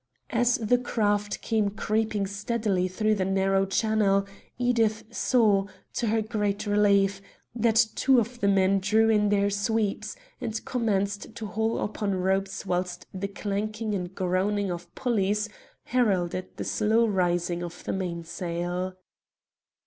As the craft came creeping steadily through the narrow channel Edith saw, to her great relief, that two of the men drew in their sweeps, and commenced to haul upon ropes whilst the clanking and groaning of pulleys heralded the slow rising of the mainsail.